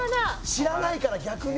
「知らないから逆に」